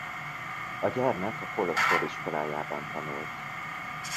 A gyermek a kolostor iskolájában tanult.